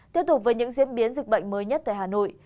tiếp tục với những diễn biến dịch bệnh mới nhất tại hà nội